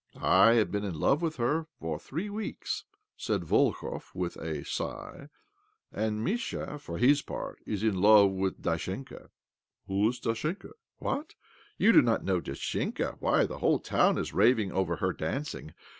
" I have been in love with her for three weeks," said Volkov, with a sigh. " And Mischa, for his part, is in love with Dashenka." "Who is Dashenka?" "What! You do not know Dashenka? Why, the whole town is ravihg over her dancing.